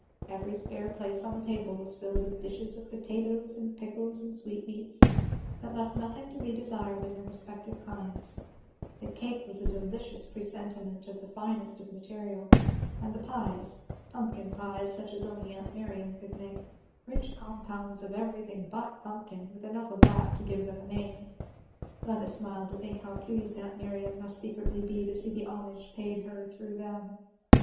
Every spare place on the table was filled with dishes of potatoes and pickles and sweetmeats, that left nothing to be desired in their respective kinds; the cake was a delicious presentment of the finest of material; and the pies, pumpkin pies, such as only aunt Miriam could make, rich compounds of everything but pumpkin, with enough of that to give them a name Fleda smiled to think how pleased aunt Miriam must secretly be to see the homage paid her through them.